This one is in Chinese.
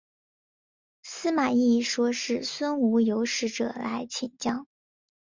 司马懿说是孙吴有使者来请降。